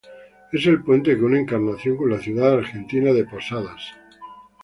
Es el puente que une Encarnación con la ciudad argentina de Posadas.